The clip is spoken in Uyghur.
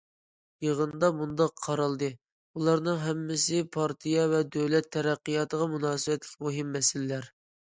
يىغىندا مۇنداق قارالدى: بۇلارنىڭ ھەممىسى پارتىيە ۋە دۆلەت تەرەققىياتىغا مۇناسىۋەتلىك مۇھىم مەسىلىلەر.